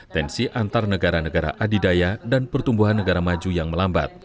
tensi antar negara negara adidaya dan pertumbuhan negara maju yang melambat